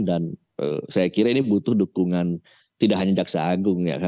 dan saya kira ini butuh dukungan tidak hanya daksa agung